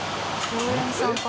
常連さんか。